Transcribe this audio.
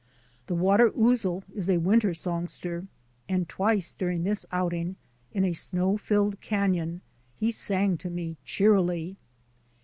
The water ouzel is a winter songster, and twice during this outing, in a snow filled canon, he sang to me cheerily.